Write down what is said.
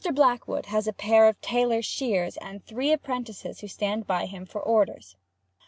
Blackwood has a pair of tailor's shears, and three apprentices who stand by him for orders.